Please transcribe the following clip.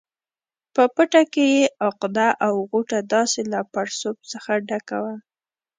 په پټه کې یې عقده او غوټه داسې له پړسوب څخه ډکه وه.